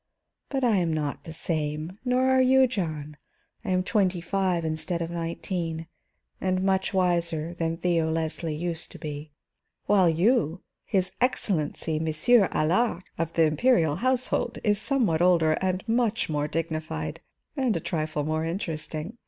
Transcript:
"But I am not the same, nor are you, John. I am twenty five instead of nineteen, and much wiser than Theo Leslie used to be. While you his excellency Monsieur Allard of the imperial household, is somewhat older and much more dignified, and a trifle more interesting.